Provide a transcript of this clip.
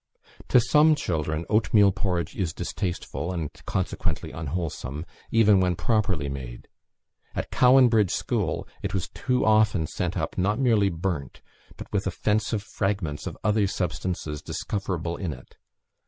To some children oatmeal porridge is distasteful, and consequently unwholesome, even when properly made; at Cowan Bridge School it was too often sent up, not merely burnt, but with offensive fragments of other substances discoverable in it.